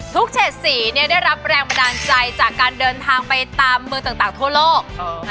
เฉดสีได้รับแรงบันดาลใจจากการเดินทางไปตามเมืองต่างทั่วโลก